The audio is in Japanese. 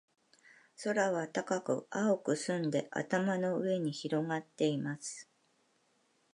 空は高く、青く澄んで、頭の上に広がっています。